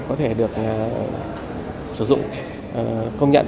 có thể được sử dụng công nhận